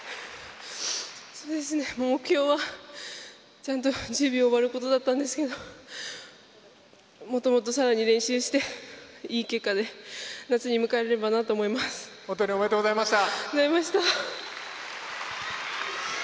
目標は、ちゃんと１０秒を割ることだったんですけどもっともっとさらに練習していい結果で本当におめでとうございました。